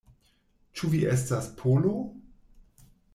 Ĉu vi estas Polo?